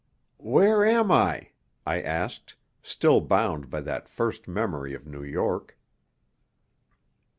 "Where am I?" I asked, still bound by that first memory of New York.